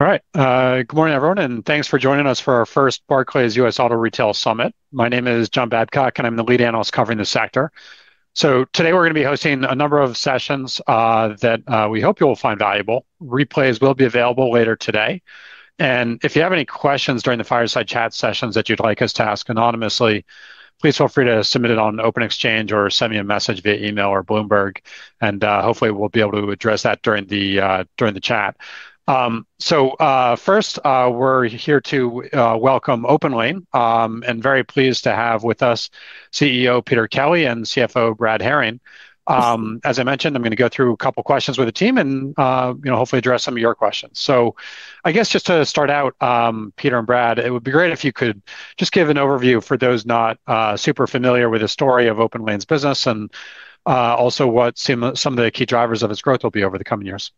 All right. Good morning, everyone, and thanks for joining us for our first Barclays US Auto Retail Summit. My name is John Babcock, and I'm the Lead Analyst covering the sector. Today, we're going to be hosting a number of sessions that we hope you will find valuable. Replays will be available later today. If you have any questions during the fireside chat sessions that you'd like us to ask anonymously, please feel free to submit it on OpenExchange or send me a message via email or Bloomberg, and hopefully we'll be able to address that during the chat. First, we're here to welcome OPENLANE, and very pleased to have with us CEO Peter Kelly and CFO Brad Herring. Yes. As I mentioned, I'm going to go through a couple of questions with the team and hopefully address some of your questions. I guess just to start out, Peter and Brad, it would be great if you could just give an overview for those not super familiar with the story of OPENLANE's business and also what some of the key drivers of its growth will be over the coming years.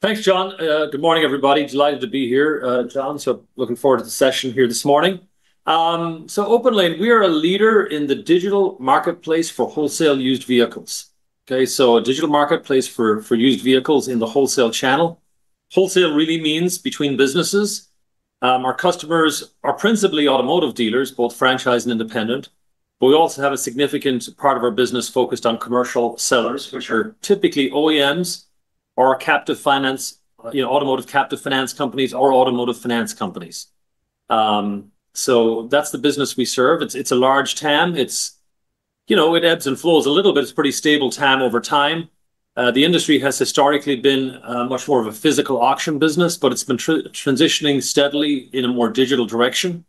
Thanks, John. Good morning, everybody. Delighted to be here, John, looking forward to the session here this morning. OPENLANE, we are a leader in the digital marketplace for wholesale used vehicles. Okay, a digital marketplace for used vehicles in the wholesale channel. Wholesale really means between businesses. Our customers are principally automotive dealers, both franchise and independent, but we also have a significant part of our business focused on commercial sellers which are typically OEMs or automotive captive finance companies, or automotive finance companies. That's the business we serve. It's a large TAM. It ebbs and flows a little bit. It's a pretty stable TAM over time. The industry has historically been much more of a physical auction business, but it's been transitioning steadily in a more digital direction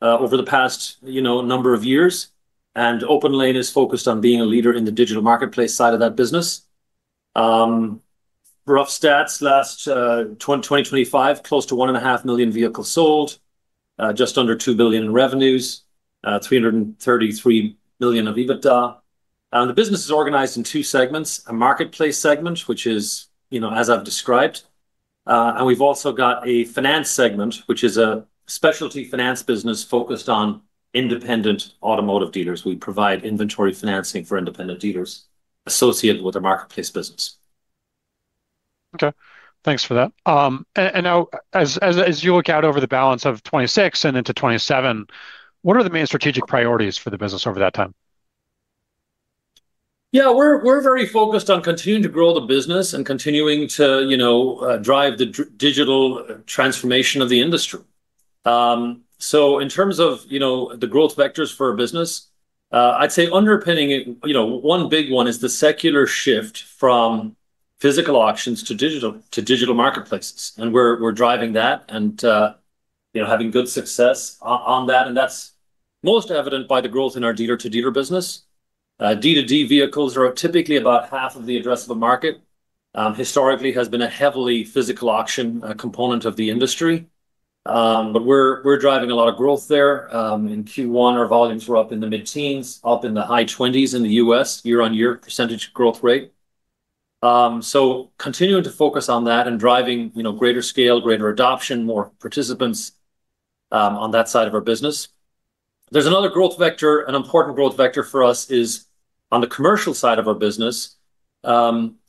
over the past number of years. OPENLANE is focused on being a leader in the digital marketplace side of that business. Rough stats, last, 2025, close to 1.5 million vehicles sold, just under $2 billion in revenues, $333 million of EBITDA. The business is organized in two segments, a marketplace segment, which is as I've described, and we've also got a finance segment, which is a specialty finance business focused on independent automotive dealers. We provide inventory financing for independent dealers associated with our marketplace business. Okay. Thanks for that. As you look out over the balance of 2026 and into 2027, what are the main strategic priorities for the business over that time? Yeah. We're very focused on continuing to grow the business and continuing to drive the digital transformation of the industry. In terms of the growth vectors for our business, I'd say underpinning it, one big one is the secular shift from physical auctions to digital marketplaces, and we're driving that and having good success on that, and that's most evident by the growth in our dealer-to-dealer business. D2D vehicles are typically about half of the addressable market. Historically, has been a heavily physical auction component of the industry. We're driving a lot of growth there. In Q1, our volumes were up in the mid-teens, up in the high-20s in the U.S., year-on-year percentage growth rate. Continuing to focus on that and driving greater scale, greater adoption, more participants on that side of our business. There's another growth vector. An important growth vector for us is on the commercial side of our business.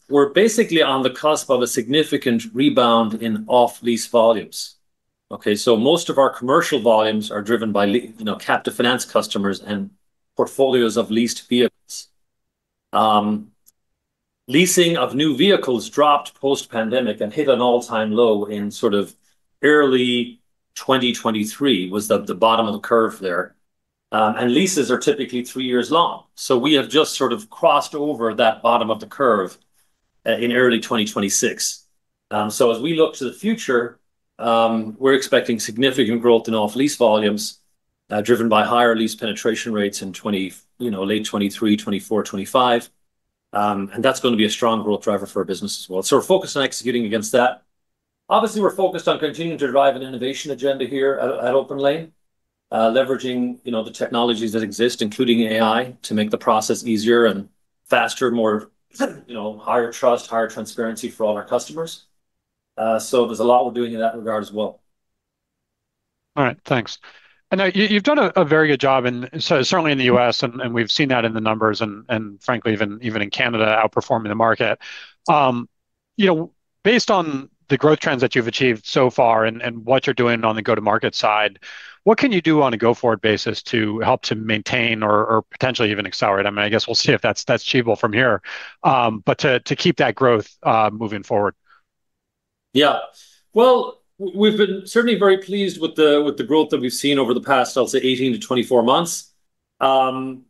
We're basically on the cusp of a significant rebound in off-lease volumes. Okay? Most of our commercial volumes are driven by captive finance customers and portfolios of leased vehicles. Leasing of new vehicles dropped post-pandemic and hit an all-time low in sort of early 2023, was the bottom of the curve there. Leases are typically three years long. We have just sort of crossed over that bottom of the curve, in early 2026. As we look to the future, we're expecting significant growth in off-lease volumes, driven by higher lease penetration rates in late 2023, 2024, 2025. That's going to be a strong growth driver for our business as well. We're focused on executing against that. Obviously, we're focused on continuing to drive an innovation agenda here at OPENLANE, leveraging the technologies that exist, including AI, to make the process easier and faster, more higher trust, higher transparency for all our customers. There's a lot we're doing in that regard as well. All right. Thanks. I know you've done a very good job, certainly in the U.S., and we've seen that in the numbers, and frankly even in Canada, outperforming the market. Based on the growth trends that you've achieved so far and what you're doing on the go-to-market side, what can you do on a go-forward basis to help to maintain or potentially even accelerate? I guess we'll see if that's achievable from here. To keep that growth moving forward. Yeah. Well, we've been certainly very pleased with the growth that we've seen over the past, I'll say 18-24 months. What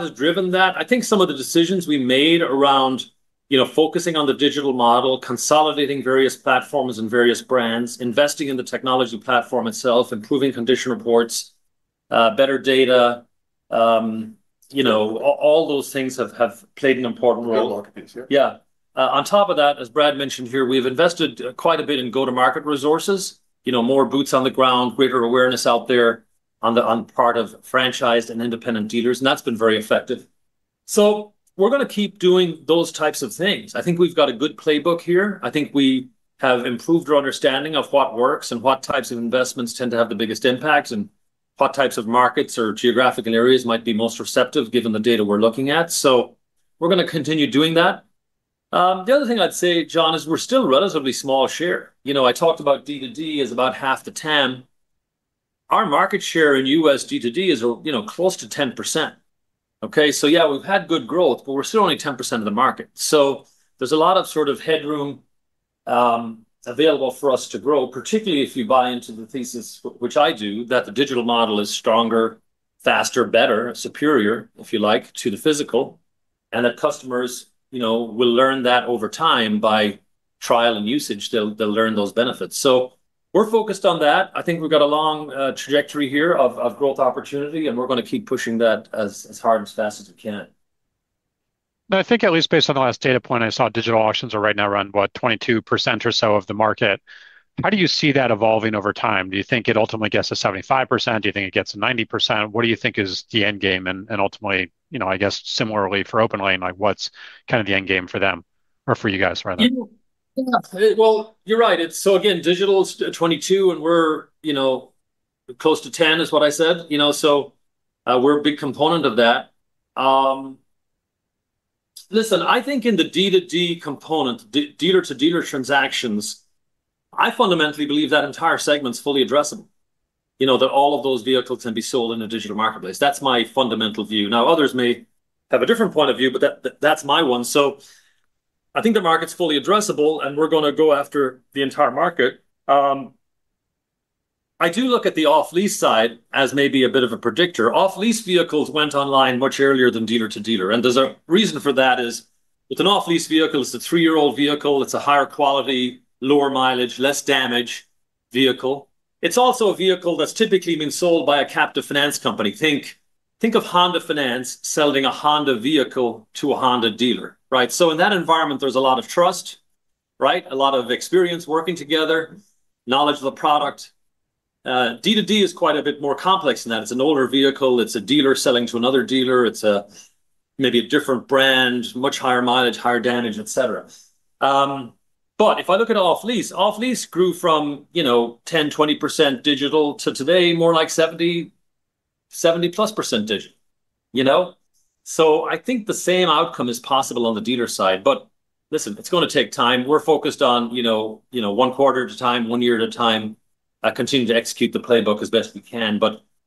has driven that, I think some of the decisions we made around focusing on the digital model, consolidating various platforms and various brands, investing in the technology platform itself, improving condition reports, better data, all those things have played an important role. Marketplace, yeah. Yeah. On top of that, as Brad mentioned here, we've invested quite a bit in go-to-market resources. More boots on the ground, greater awareness out there on the part of franchised and independent dealers, that's been very effective. We're going to keep doing those types of things. I think we've got a good playbook here. I think we have improved our understanding of what works and what types of investments tend to have the biggest impacts. What types of markets or geographical areas might be most receptive given the data we're looking at. We're going to continue doing that. The other thing I'd say, John, is we're still a relatively small share. I talked about D2D as about half the TAM. Our market share in U.S. D2D is close to 10%. Okay, yeah, we've had good growth, we're still only 10% of the market. There's a lot of sort of headroom available for us to grow, particularly if you buy into the thesis, which I do, that the digital model is stronger, faster, better, superior, if you like, to the physical, and that customers will learn that over time by trial and usage. They'll learn those benefits. We're focused on that. I think we've got a long trajectory here of growth opportunity, and we're going to keep pushing that as hard and as fast as we can. No, I think at least based on the last data point I saw, digital auctions are right now around, what, 22% or so of the market. How do you see that evolving over time? Do you think it ultimately gets to 75%? Do you think it gets to 90%? What do you think is the end game and ultimately, I guess similarly for OPENLANE, what's kind of the end game for them or for you guys rather? Yeah. Well, you're right. Again, digital is 22% and we're close to 10% is what I said. We're a big component of that. Listen, I think in the D2D component, dealer-to-dealer transactions, I fundamentally believe that entire segment's fully addressable, that all of those vehicles can be sold in a digital marketplace. That's my fundamental view. Now, others may have a different point of view, but that's my one. I think the market's fully addressable, and we're going to go after the entire market. I do look at the off-lease side as maybe a bit of a predictor. Off-lease vehicles went online much earlier than dealer-to-dealer, and there's a reason for that is, with an off-lease vehicle, it's a three-year-old vehicle. It's a higher quality, lower mileage, less damage vehicle. It's also a vehicle that's typically been sold by a captive finance company. Think of Honda Finance selling a Honda vehicle to a Honda dealer, right? In that environment, there's a lot of trust, right, a lot of experience working together, knowledge of the product. D2D is quite a bit more complex than that. It's an older vehicle. It's a dealer selling to another dealer. It's maybe a different brand, much higher mileage, higher damage, et cetera. If I look at off-lease, off-lease grew from 10%, 20% digital to today, more like 70%+ digital. I think the same outcome is possible on the dealer side. Listen, it's going to take time. We're focused on one quarter at a time, one year at a time, continue to execute the playbook as best we can.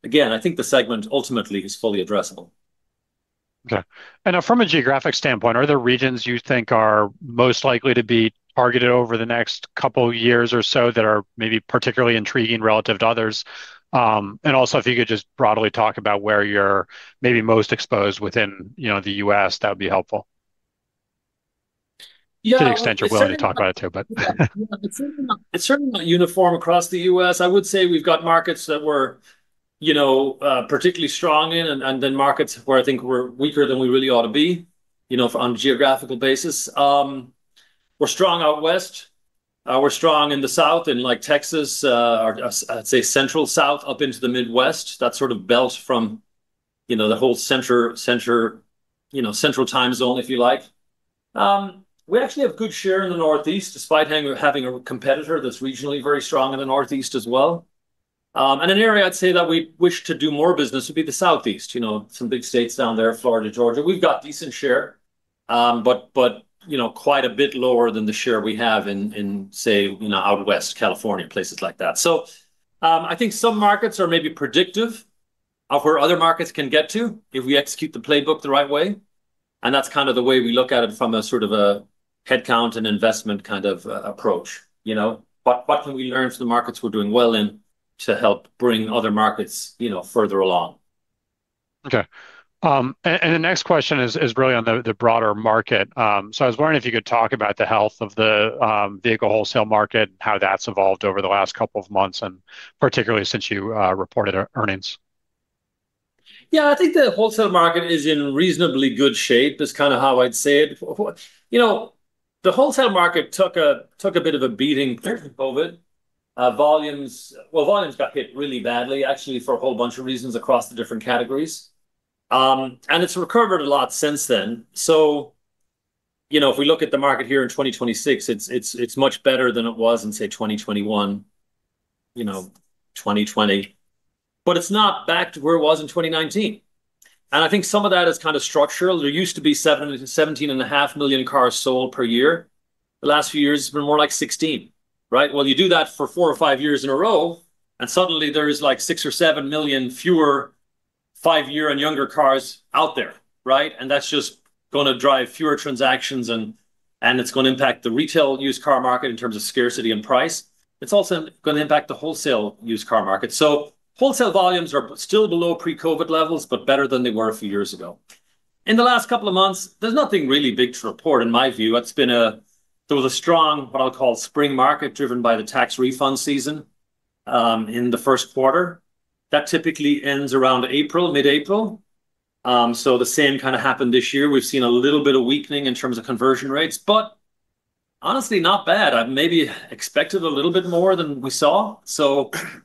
Again, I think the segment ultimately is fully addressable. From a geographic standpoint, are there regions you think are most likely to be targeted over the next couple of years or so that are maybe particularly intriguing relative to others? Also, if you could just broadly talk about where you're maybe most exposed within the U.S., that would be helpful. Yeah. Well. To the extent you're willing to talk about it, too, but It's certainly not uniform across the U.S. I would say we've got markets that we're particularly strong in, then markets where I think we're weaker than we really ought to be, on a geographical basis. We're strong out West. We're strong in the South, in like Texas, or I'd say central South up into the Midwest. That sort of belt from the whole Central Time Zone, if you like. We actually have a good share in the Northeast, despite having a competitor that's regionally very strong in the Northeast as well. An area I'd say that we wish to do more business would be the Southeast. Some big states down there, Florida, Georgia. We've got decent share, but quite a bit lower than the share we have in, say, out West, California, places like that. I think some markets are maybe predictive of where other markets can get to if we execute the playbook the right way, and that's kind of the way we look at it from a sort of a headcount and investment kind of approach. What can we learn from the markets we're doing well in to help bring other markets further along? Okay. The next question is really on the broader market. I was wondering if you could talk about the health of the vehicle wholesale market and how that's evolved over the last couple of months, and particularly since you reported earnings. Yeah, I think the wholesale market is in reasonably good shape, is kind of how I'd say it. The wholesale market took a bit of a beating during COVID. Volumes got hit really badly, actually, for a whole bunch of reasons across the different categories. It's recovered a lot since then. If we look at the market here in 2026, it's much better than it was in, say, 2021, 2020. But it's not back to where it was in 2019, and I think some of that is kind of structural. There used to be 17.5 million cars sold per year. The last few years it's been more like 16, right? Well, you do that for four or five years in a row, and suddenly there is like six or seven million fewer five-year and younger cars out there, right? That's just going to drive fewer transactions and it's going to impact the retail used car market in terms of scarcity and price. It's also going to impact the wholesale used car market. Wholesale volumes are still below pre-COVID levels, but better than they were a few years ago. In the last couple of months, there's nothing really big to report, in my view. There was a strong, what I'll call spring market, driven by the tax refund season, in the first quarter. That typically ends around April, mid-April. The same kind of happened this year. We've seen a little bit of weakening in terms of conversion rates, but honestly not bad. I maybe expected a little bit more than we saw.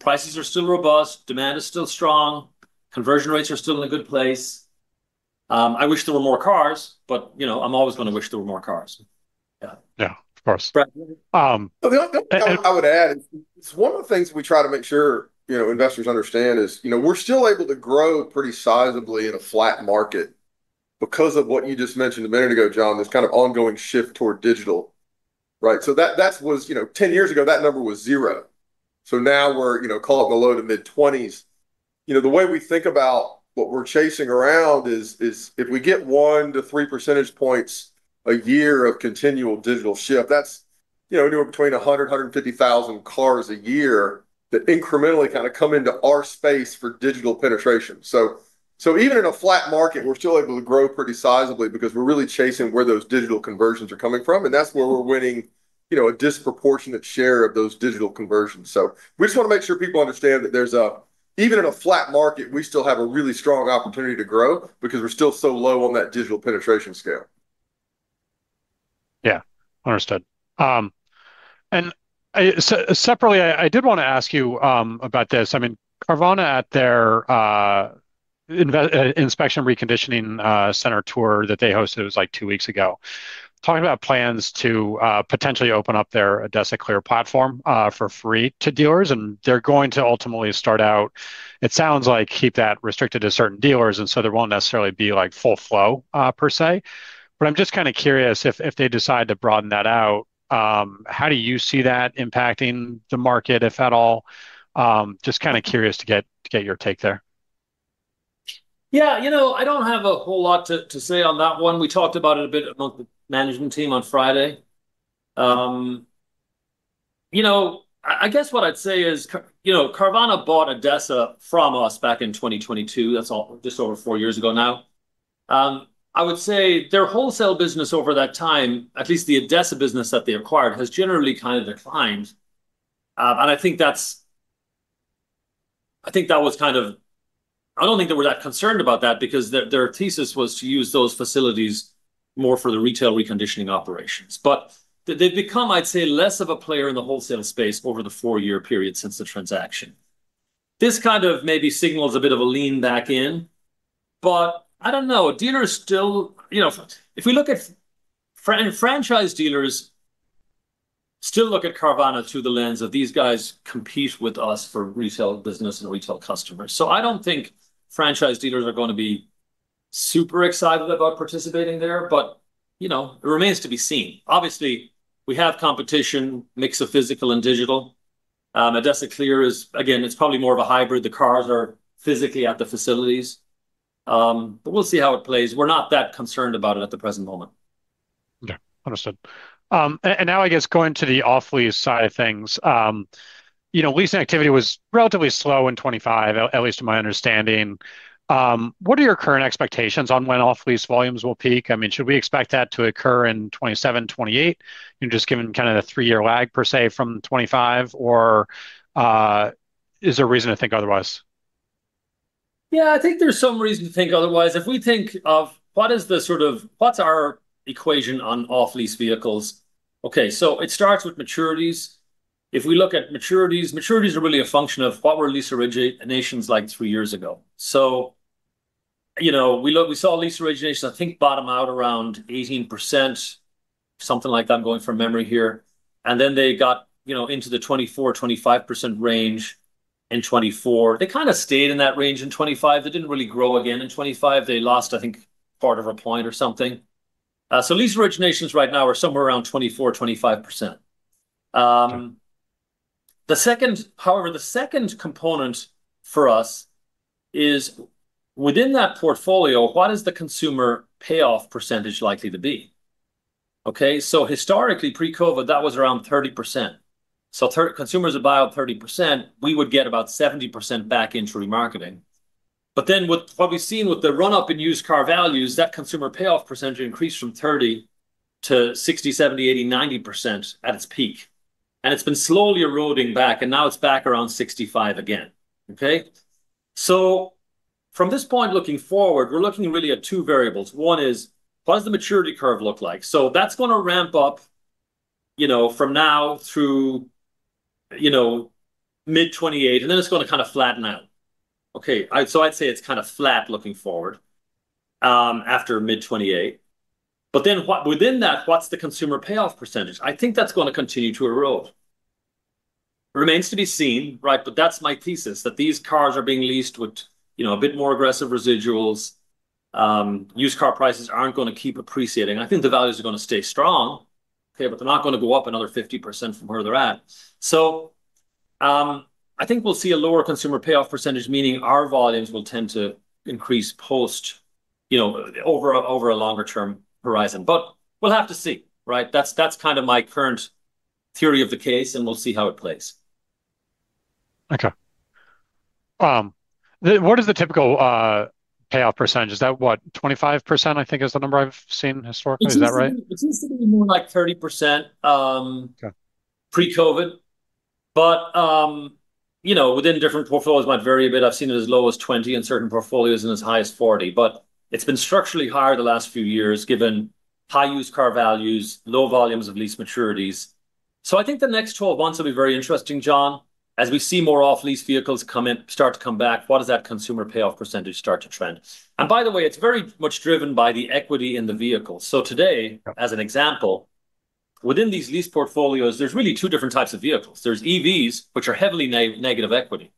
Prices are still robust. Demand is still strong. Conversion rates are still in a good place. I wish there were more cars, but I'm always going to wish there were more cars. Yeah, of course. Right. The only thing I would add is one of the things we try to make sure investors understand is, we're still able to grow pretty sizably in a flat market because of what you just mentioned a minute ago, John, this kind of ongoing shift toward digital. Right? That was 10 years ago, that number was zero. Now we're call it below to mid-20s. The way we think about what we're chasing around is, if we get one to three percentage points a year of continual digital shift, that's anywhere between 100,000, 150,000 cars a year that incrementally kind of come into our space for digital penetration. Even in a flat market, we're still able to grow pretty sizably because we're really chasing where those digital conversions are coming from, and that's where we're winning a disproportionate share of those digital conversions. We just want to make sure people understand that even in a flat market, we still have a really strong opportunity to grow because we're still so low on that digital penetration scale. Yeah. Understood. Separately, I did want to ask you about this. Carvana at their inspection reconditioning center tour that they hosted, it was like two weeks ago, talking about plans to potentially open up their ADESA Clear platform for free to dealers. They're going to ultimately start out, it sounds like keep that restricted to certain dealers, so there won't necessarily be full flow, per se. I'm just kind of curious if they decide to broaden that out, how do you see that impacting the market, if at all? Just kind of curious to get your take there. Yeah. I don't have a whole lot to say on that one. We talked about it a bit amongst the management team on Friday. I guess what I'd say is Carvana bought ADESA from us back in 2022. That's just over four years ago now. I would say their wholesale business over that time, at least the ADESA business that they acquired, has generally kind of declined. I don't think they were that concerned about that because their thesis was to use those facilities more for the retail reconditioning operations. They've become, I'd say, less of a player in the wholesale space over the four-year period since the transaction. This kind of maybe signals a bit of a lean back in, but I don't know. Franchise dealers still look at Carvana through the lens of, "These guys compete with us for retail business and retail customers." I don't think franchise dealers are going to be super excited about participating there, but it remains to be seen. Obviously, we have competition, mix of physical and digital. ADESA Clear is, again, it's probably more of a hybrid. The cars are physically at the facilities. We'll see how it plays. We're not that concerned about it at the present moment. Okay. Understood. Now, I guess, going to the off-lease side of things. Lease activity was relatively slow in 2025, at least to my understanding. What are your current expectations on when off-lease volumes will peak? Should we expect that to occur in 2027, 2028, just given kind of the three-year lag, per se, from 2025, or is there reason to think otherwise? Yeah, I think there's some reason to think otherwise. If we think of what's our equation on off-lease vehicles? It starts with maturities. If we look at maturities are really a function of what were lease originations like three years ago. We saw lease originations, I think, bottom out around 18%, something like that, I am going from memory here, and then they got into the 24%-25% range in 2024. They kind of stayed in that range in 2025. They did not really grow again in 2025. They lost, I think, part of a point or something. Lease originations right now are somewhere around 24%-25%. Okay. The second component for us is within that portfolio, what is the consumer payoff percentage likely to be? Historically, pre-COVID, that was around 30%. Consumers would buy out 30%, we would get about 70% back in through remarketing. What we have seen with the run-up in used car values, that consumer payoff percentage increased from 30% to 60%, 70%, 80%, 90% at its peak. It has been slowly eroding back, and now it is back around 65% again. From this point looking forward, we are looking really at two variables. One is what does the maturity curve look like? That is going to ramp up from now through mid 2028, and then it is going to kind of flatten out. I would say it is kind of flat looking forward, after mid 2028. Within that, what is the consumer payoff percentage? I think that is going to continue to erode. Remains to be seen, right? That is my thesis, that these cars are being leased with a bit more aggressive residuals. Used car prices are not going to keep appreciating. I think the values are going to stay strong, but they are not going to go up another 50% from where they are at. I think we will see a lower consumer payoff percentage, meaning our volumes will tend to increase post over a longer term horizon. We will have to see, right? That is kind of my current theory of the case, and we will see how it plays. What is the typical payoff percentage? Is that, what, 25%, I think, is the number I have seen historically. Is that right? It used to be more like 30%- Okay... pre-COVID. Within different portfolios it might vary a bit. I've seen it as low as 20 in certain portfolios and as high as 40. It's been structurally higher the last few years given high used car values, low volumes of lease maturities. I think the next 12 months will be very interesting, John. As we see more off-lease vehicles come in, start to come back, what does that consumer payoff percentage start to trend? By the way, it's very much driven by the equity in the vehicle. Today, as an example, within these lease portfolios, there's really two different types of vehicles. There's EVs, which are heavily negative equity.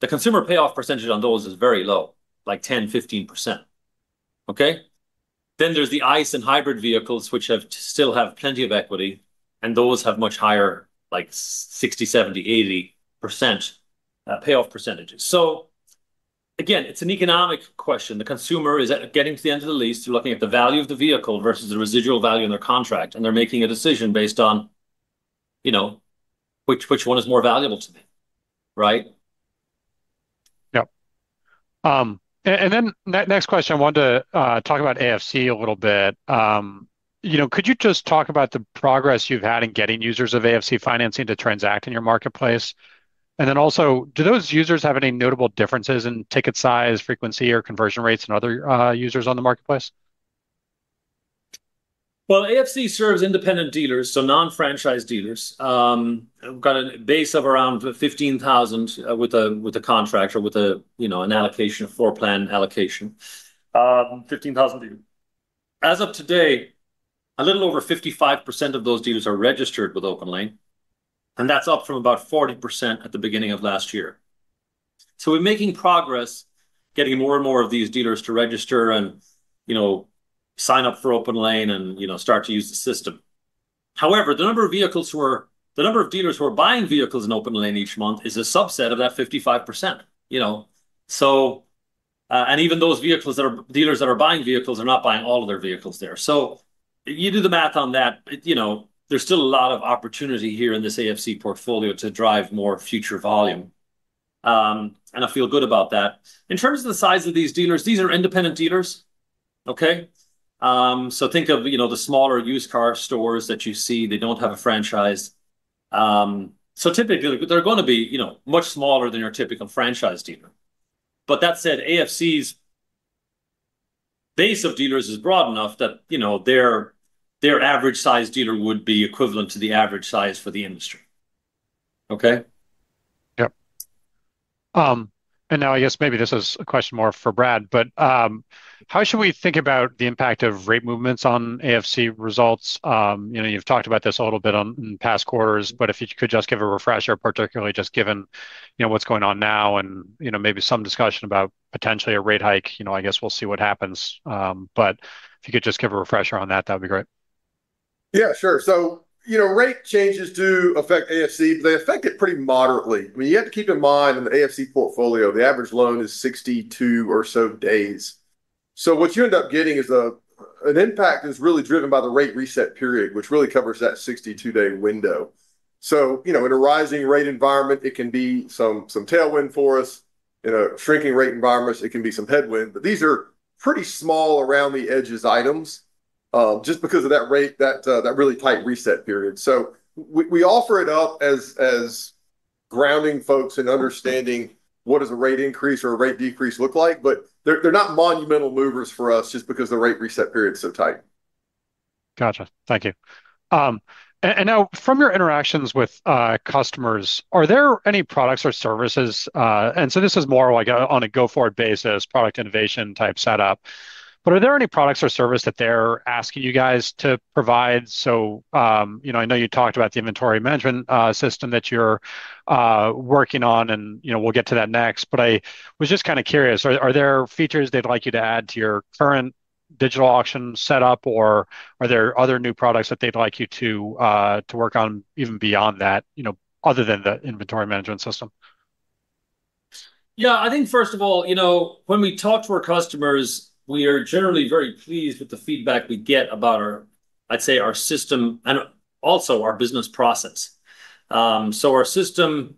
The consumer payoff percentage on those is very low, like 10%, 15%. Okay? There's the ICE and hybrid vehicles, which still have plenty of equity, and those have much higher, like 60%, 70%, 80% payoff percentages. Again, it's an economic question. The consumer is getting to the end of the lease. They're looking at the value of the vehicle versus the residual value in their contract, and they're making a decision based on, you know, which one is more valuable to me, right? Yep. And then next question, I wanted to talk about AFC a little bit. You know, could you just talk about the progress you've had in getting users of AFC financing to transact in your marketplace? Also, do those users have any notable differences in ticket size, frequency or conversion rates than other users on the marketplace? Well, AFC serves independent dealers, so non-franchise dealers. We've got a base of around 15,000 with a, with a contract or with a, you know, an allocation, a floor plan allocation. 15,000 dealers. As of today, a little over 55% of those dealers are registered with OPENLANE, and that's up from about 40% at the beginning of last year. We're making progress getting more and more of these dealers to register and, you know, sign up for OPENLANE and, you know, start to use the system. However, the number of dealers who are buying vehicles in OPENLANE each month is a subset of that 55%. Even those dealers that are buying vehicles are not buying all of their vehicles there. You do the math on that, you know, there's still a lot of opportunity here in this AFC portfolio to drive more future volume. I feel good about that. In terms of the size of these dealers, these are independent dealers, okay? Think of, you know, the smaller used car stores that you see. They don't have a franchise. Typically they're gonna be, you know, much smaller than your typical franchise dealer. That said, AFC's base of dealers is broad enough that, you know, their average size dealer would be equivalent to the average size for the industry. Okay? Yep. Now I guess maybe this is a question more for Brad, but how should we think about the impact of rate movements on AFC results? You know, you've talked about this a little bit in past quarters, but if you could just give a refresher, particularly just given, you know, what's going on now and, you know, maybe some discussion about potentially a rate hike. You know, I guess we'll see what happens. If you could just give a refresher on that'd be great. Yeah, sure. You know, rate changes do affect AFC, but they affect it pretty moderately. I mean, you have to keep in mind, in the AFC portfolio, the average loan is 62 or so days. What you end up getting is a, an impact that's really driven by the rate reset period, which really covers that 62-day window. You know, in a rising rate environment, it can be some tailwind for us. In a shrinking rate environment, it can be some headwind. These are pretty small around-the-edges items, just because of that rate, that really tight reset period. We offer it up as grounding folks in understanding what does a rate increase or a rate decrease look like, but they're not monumental movers for us just because the rate reset period's so tight. Gotcha. Thank you. From your interactions with customers, are there any products or services, and this is more like on a go-forward basis, product innovation type setup. Are there any products or service that they're asking you guys to provide? I know you talked about the inventory management system that you're working on and we'll get to that next. I was just kind of curious, are there features they'd like you to add to your current digital auction setup, or are there other new products that they'd like you to work on even beyond that, other than the inventory management system? I think first of all, when we talk to our customers, we are generally very pleased with the feedback we get about our, I'd say our system and also our business process. Our system,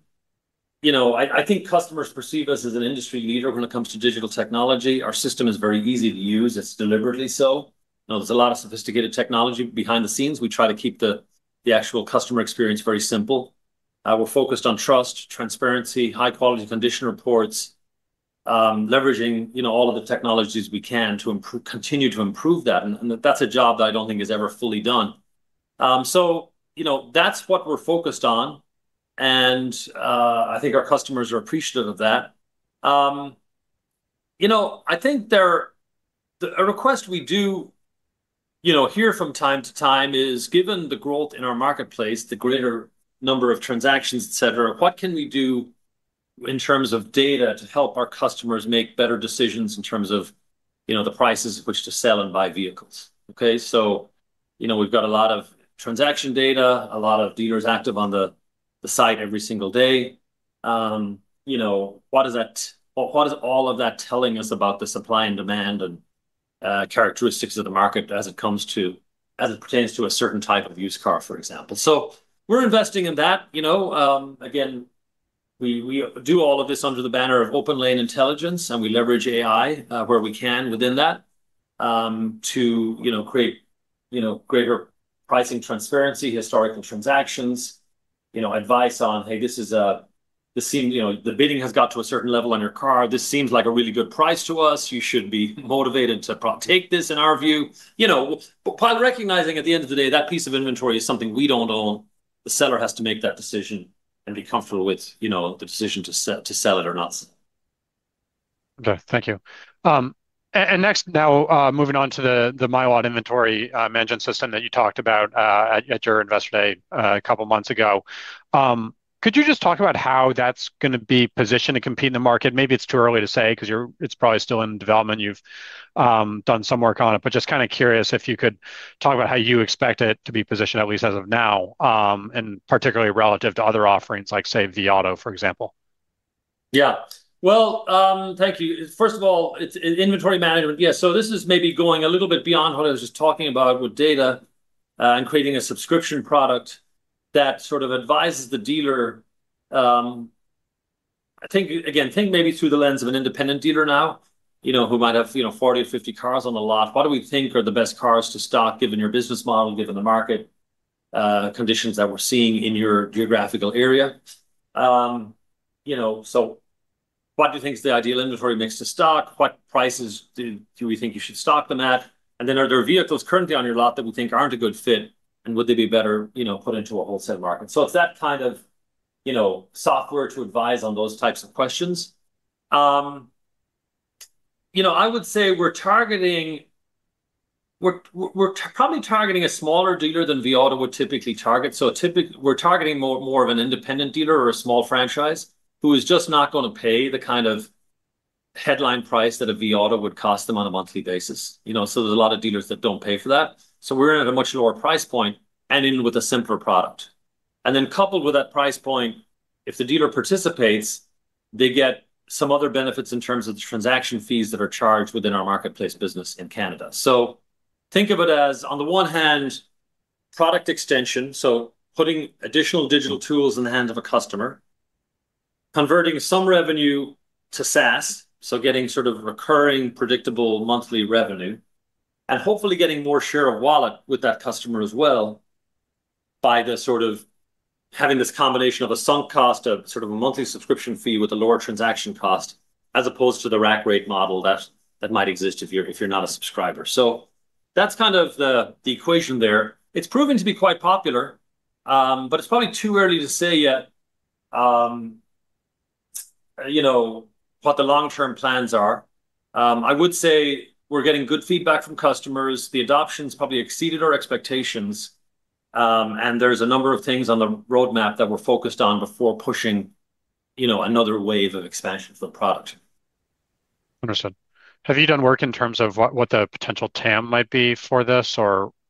I think customers perceive us as an industry leader when it comes to digital technology. Our system is very easy to use. It's deliberately so. There's a lot of sophisticated technology behind the scenes. We try to keep the actual customer experience very simple. We're focused on trust, transparency, high-quality condition reports, leveraging all of the technologies we can to improve, continue to improve that, and that's a job that I don't think is ever fully done. That's what we're focused on, and I think our customers are appreciative of that. A request we do hear from time to time is, given the growth in our marketplace, the greater number of transactions, et cetera, what can we do in terms of data to help our customers make better decisions in terms of the prices which to sell and buy vehicles? We've got a lot of transaction data, a lot of dealers active on the site every single day. What is all of that telling us about the supply and demand and characteristics of the market as it pertains to a certain type of used car, for example? We're investing in that. Again, we do all of this under the banner of OPENLANE Intelligence, and we leverage AI where we can within that, to create greater pricing transparency, historical transactions, advice on, "Hey, the bidding has got to a certain level on your car. This seems like a really good price to us. You should be motivated to take this, in our view." While recognizing at the end of the day, that piece of inventory is something we don't own. The seller has to make that decision and be comfortable with the decision to sell it or not sell. Okay, thank you. Next, now moving on to the MyAut inventory management system that you talked about at your Investor Day a couple of months ago. Could you just talk about how that's going to be positioned to compete in the market? Maybe it's too early to say because it's probably still in development. You've done some work on it. Just curious if you could talk about how you expect it to be positioned, at least as of now, and particularly relative to other offerings, like say, vAuto, for example. Yeah. Well, thank you. First of all, inventory management. This is maybe going a little bit beyond what I was just talking about with data and creating a subscription product that advises the dealer. Again, think maybe through the lens of an independent dealer now, who might have 40 or 50 cars on the lot. What do we think are the best cars to stock given your business model, given the market conditions that we're seeing in your geographical area? What do you think is the ideal inventory mix to stock? What prices do we think you should stock them at? Are there vehicles currently on your lot that we think aren't a good fit, and would they be better put into a wholesale market? It's that kind of software to advise on those types of questions. I would say we're probably targeting a smaller dealer than vAuto would typically target. We're targeting more of an independent dealer or a small franchise who is just not going to pay the kind of headline price that a vAuto would cost them on a monthly basis. There's a lot of dealers that don't pay for that. We're in at a much lower price point and in with a simpler product. Coupled with that price point, if the dealer participates, they get some other benefits in terms of the transaction fees that are charged within our marketplace business in Canada. Think of it as, on the one hand, product extension, putting additional digital tools in the hand of a customer, converting some revenue to SaaS, getting recurring, predictable monthly revenue, and hopefully getting more share of wallet with that customer as well by having this combination of a sunk cost of a monthly subscription fee with a lower transaction cost, as opposed to the rack rate model that might exist if you're not a subscriber. That's the equation there. It's proven to be quite popular, it's probably too early to say yet, what the long-term plans are. I would say we're getting good feedback from customers. The adoption's probably exceeded our expectations. There's a number of things on the roadmap that we're focused on before pushing another wave of expansion for the product. Understood. Have you done work in terms of what the potential TAM might be for this?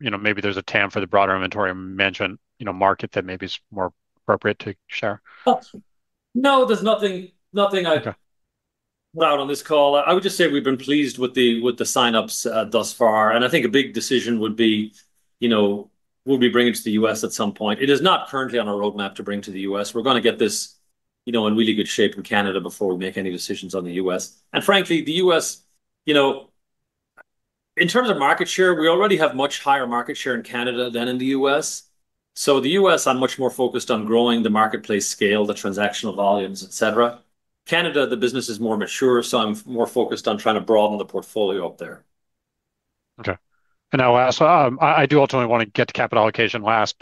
Maybe there's a TAM for the broader inventory management market that maybe is more appropriate to share? No, there's nothing. Okay I'd put out on this call. I would just say we've been pleased with the sign-ups thus far, and I think a big decision would be, will we bring it to the U.S. at some point? It is not currently on our roadmap to bring to the U.S. We're going to get this in really good shape in Canada before we make any decisions on the U.S. Frankly, the U.S., in terms of market share, we already have much higher market share in Canada than in the U.S. The U.S., I'm much more focused on growing the marketplace scale, the transactional volumes, et cetera. Canada, the business is more mature, I'm more focused on trying to broaden the portfolio up there. Okay. I'll ask, I do ultimately want to get to capital allocation last,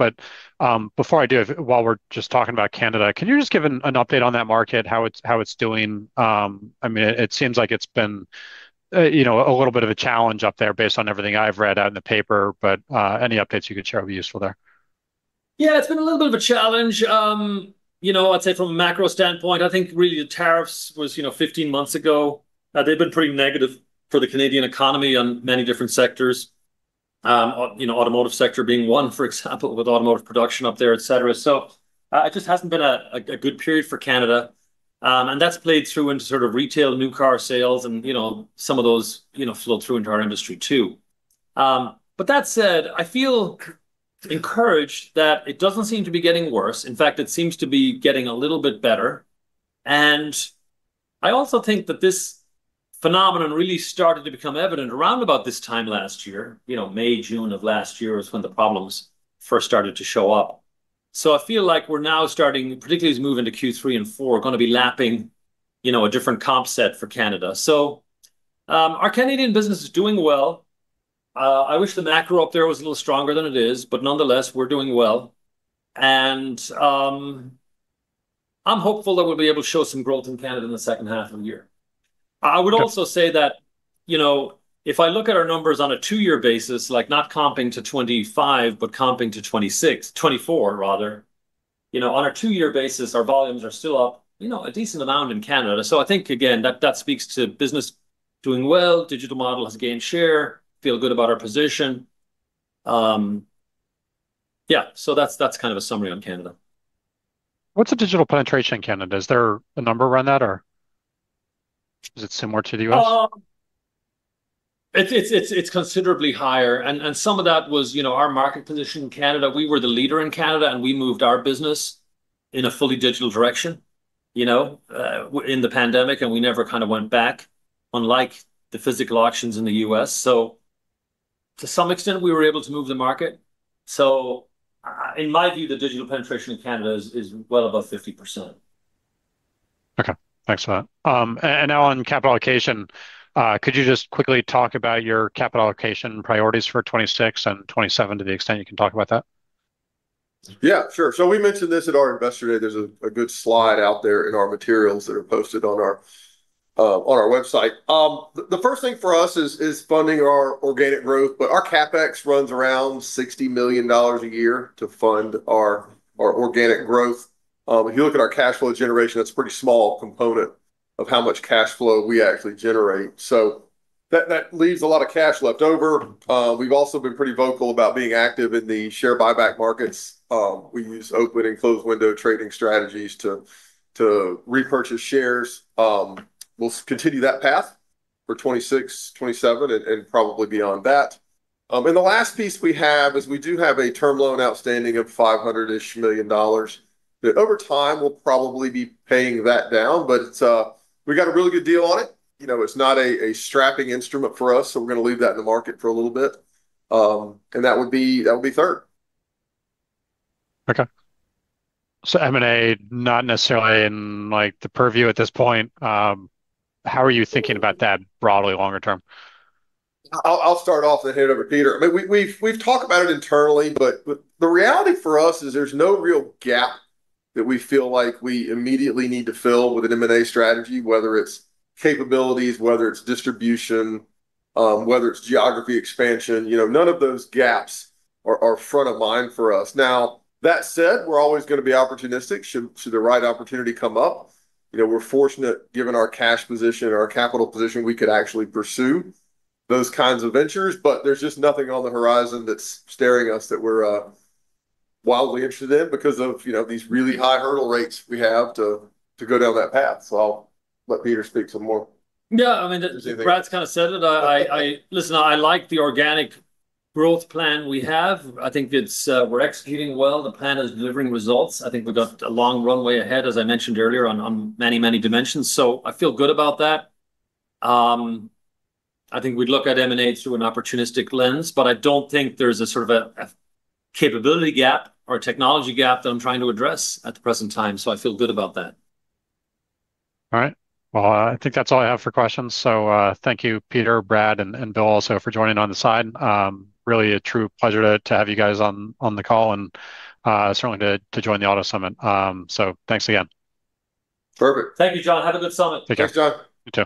before I do, while we're just talking about Canada, can you just give an update on that market, how it's doing? It seems like it's been a little bit of a challenge up there based on everything I've read out in the paper, any updates you could share would be useful there. It's been a little bit of a challenge. I'd say from a macro standpoint, I think really the tariffs was 15 months ago. They've been pretty negative for the Canadian economy on many different sectors, automotive sector being one, for example, with automotive production up there, et cetera. It just hasn't been a good period for Canada. That's played through into retail, new car sales, and some of those flow through into our industry, too. That said, I feel encouraged that it doesn't seem to be getting worse. In fact, it seems to be getting a little bit better. I also think that this phenomenon really started to become evident around about this time last year. May, June of last year is when the problems first started to show up. I feel like we're now starting, particularly as we move into Q3 and Q4, going to be lapping a different comp set for Canada. Our Canadian business is doing well. I wish the macro up there was a little stronger than it is, nonetheless, we're doing well. I'm hopeful that we'll be able to show some growth in Canada in the second half of the year. Okay. I would also say that, if I look at our numbers on a two-year basis, not comping to 2025, but comping to 2026, 2024 rather, on a two-year basis, our volumes are still up a decent amount in Canada. I think, again, that speaks to business doing well. Digital model has gained share, feel good about our position. That's kind of a summary on Canada. What's the digital penetration in Canada? Is there a number around that, or is it similar to the U.S.? It's considerably higher, and some of that was our market position in Canada. We were the leader in Canada, and we moved our business in a fully digital direction in the pandemic, and we never went back, unlike the physical auctions in the U.S. To some extent, we were able to move the market. In my view, the digital penetration in Canada is well above 50%. Okay. Thanks for that. Now on capital allocation, could you just quickly talk about your capital allocation priorities for 2026 and 2027, to the extent you can talk about that? Yeah, sure. We mentioned this at our Investor Day. There's a good slide out there in our materials that are posted on our website. The first thing for us is funding our organic growth. Our CapEx runs around $60 million a year to fund our organic growth. If you look at our cash flow generation, that's a pretty small component of how much cash flow we actually generate. That leaves a lot of cash left over. We've also been pretty vocal about being active in the share buyback markets. We use open and closed window trading strategies to repurchase shares. We'll continue that path for 2026, 2027, and probably beyond that. The last piece we have is we do have a term loan outstanding of $500-ish million, that over time, we'll probably be paying that down. We got a really good deal on it. It's not a strapping instrument for us, so we're going to leave that in the market for a little bit. That would be third. Okay. M&A, not necessarily in the purview at this point. How are you thinking about that broadly longer term? I'll start off, then hand it over to Peter. I mean, we've talked about it internally, but the reality for us is there's no real gap that we feel like we immediately need to fill with an M&A strategy, whether it's capabilities, whether it's distribution, whether it's geography expansion. None of those gaps are front of mind for us. That said, we're always going to be opportunistic should the right opportunity come up. We're fortunate, given our cash position and our capital position, we could actually pursue those kinds of ventures, but there's just nothing on the horizon that's staring us that we're wildly interested in because of these really high hurdle rates we have to go down that path. I'll let Peter speak some more. I mean, Brad's kind of said it. Listen, I like the organic growth plan we have. I think we're executing well. The plan is delivering results. I think we've got a long runway ahead, as I mentioned earlier, on many, many dimensions. I feel good about that. I think we'd look at M&A through an opportunistic lens, but I don't think there's a sort of a capability gap or a technology gap that I'm trying to address at the present time, so I feel good about that. All right. Well, I think that's all I have for questions. Thank you, Peter, Brad, and Bill also for joining on the side. Really a true pleasure to have you guys on the call and certainly to join the Auto Summit. Thanks again. Perfect. Thank you, John. Have a good summit. Take care. Thanks, John. You too.